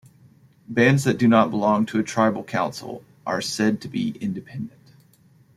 Bands that do not belong to a tribal council are said to be "independent".